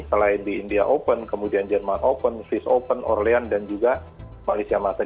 selain di india open kemudian jerman open swiss open orlian dan juga malaysia masa